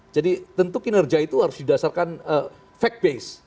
jadi tentu kinerja itu harus didasarkan fact base